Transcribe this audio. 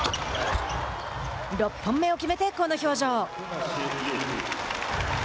６本目を決めて、この表情。